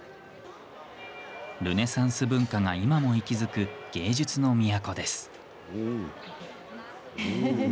ルネサンス文化が今も息づく芸術の都です。